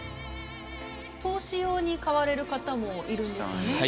投資用に買われる方もいるんですよね？